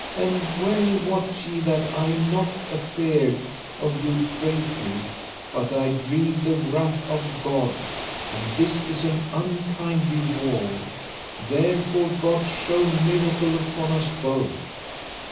And well wot ye that I am not afeard of you greatly, but I dread the wrath of God, and this is an unkindly war, therefore God show miracle upon us both.